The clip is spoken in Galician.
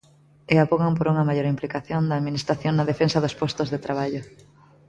E avogan por unha maior implicación da administración na defensa dos postos de traballo.